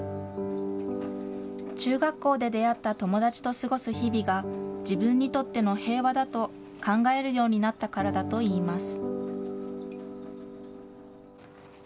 中学校で出会った友達と過ごす日々が、自分にとっての平和だと考えるようになったからだといいます。